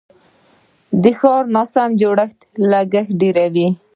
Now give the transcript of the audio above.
د ښار ناسم جوړښت لګښت ډیروي.